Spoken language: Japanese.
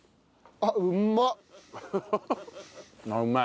あっうまい。